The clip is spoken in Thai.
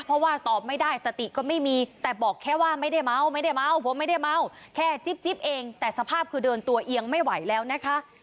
เพราะว่าตอบไม่ได้สติก็ไม่มีแต่บอกแค่ว่าไม่ได้เมาไม่ได้เมาผมไม่ได้เมาแค่จิ๊บเองแต่สภาพคือเดินตัวเอียงไม่ไหวแล้วนะคะ